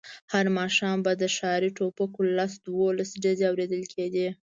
هر ماښام به د ښکاري ټوپکو لس دولس ډزې اورېدل کېدې.